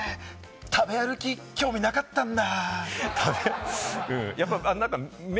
食べ歩き、興味なかったんだ。